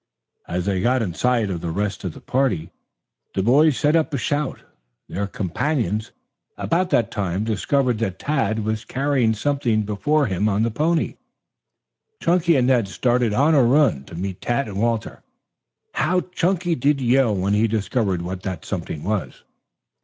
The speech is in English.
As they got in sight of the rest of the party, the boys set up a shout. Their companions, about that time, discovered that Tad was carrying something before him on the pony. Chunky and Ned started on a run to meet Tad and Walter. How Chunky did yell when he discovered what that something was.